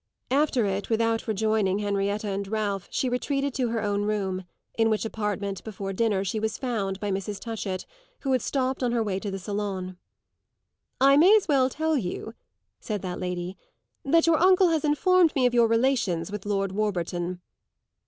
After it, without rejoining Henrietta and Ralph, she retreated to her own room; in which apartment, before dinner, she was found by Mrs. Touchett, who had stopped on her way to the salon. "I may as well tell you," said that lady, "that your uncle has informed me of your relations with Lord Warburton."